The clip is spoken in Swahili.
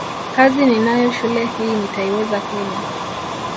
kazi ninayo shule hii nitaiweza kweli